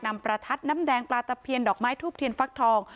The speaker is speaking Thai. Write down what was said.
ประทัดน้ำแดงปลาตะเพียนดอกไม้ทูบเทียนฟักทอง